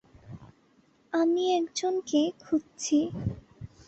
আমি একজনকে খুঁজছি।